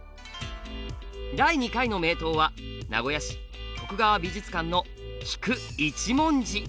第２回の名刀は名古屋市徳川美術館の「菊一文字」。